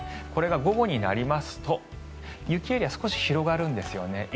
これが午後になりますと雪エリア少し広がるんですよね。